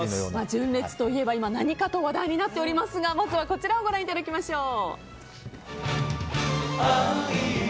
純烈といえば今何かと話題になっておりますがまずはこちらをご覧いただきましょう。